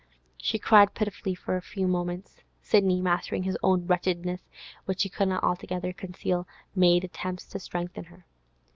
She cried pitifully for a few moments. Sidney, mastering his own wretchedness, which he could not altogether conceal, made attempts to strengthen her.